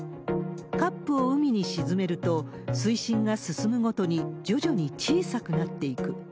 カップを海に沈めると、水深が進むごとに徐々に小さくなっていく。